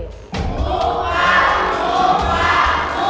ถูกกว่า